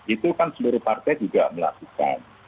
itu kan seluruh partai juga melakukan